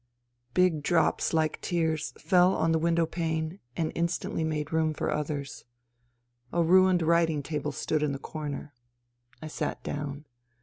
Big drops like tears fell on the window pane and instantly made room for others. A ruined writing table stood in the corner. I sat down.